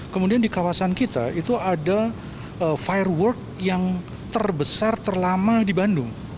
kemudian di kawasan kita itu ada firework yang terbesar terlama di bandung